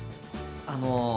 あの。